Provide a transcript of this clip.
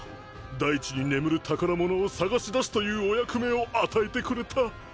大地に眠る宝物を探し出すというお役目を与えてくれた。